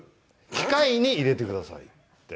「機械に入れてください」って。